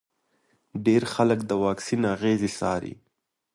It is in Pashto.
ډېر خلک د واکسین اغېزې څاري.